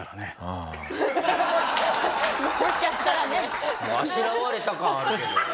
あしらわれた感あるけど。